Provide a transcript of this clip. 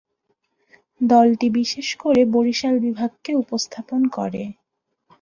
দলটি বিশেষ করে বরিশাল বিভাগকে উপস্থাপন করে।